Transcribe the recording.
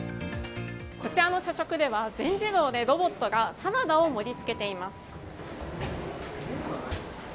こちらの社食では全自動でロボットがサラダを盛りつけています。